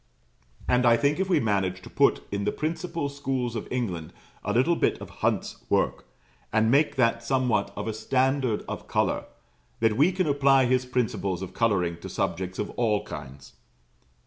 And I think if we manage to put in the principal schools of England a little bit of Hunt's work, and make that somewhat of a standard of colour, that we can apply his principles of colouring to subjects of all kinds.